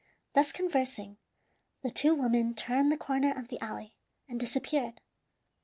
Thus conversing, the two women turned the corner of the alley, and disappeared.